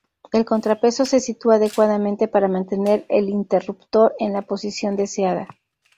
El contrapeso se sitúa adecuadamente para mantener el interruptor en la posición deseada.